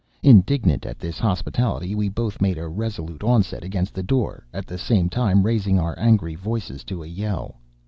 Indignant at this inhospitality, we both made a resolute onset against the door, at the same time raising our angry voices to a yell.